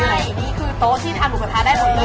ใช่นี่คือโต๊ะที่ทำหมูกะท้าได้ตรงนี้